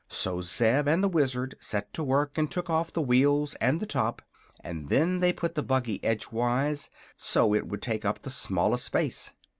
So Zeb and the Wizard set to work and took off the wheels and the top, and then they put the buggy edgewise, so it would take up the smallest space.